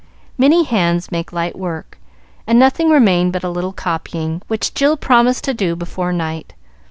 Many hands make light work, and nothing remained but a little copying, which Jill promised to do before night.